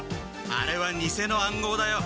あれはにせの暗号だよ。